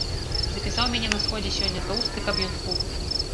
Запісаў мяне на сходзе сёння тоўсты, каб ён спух.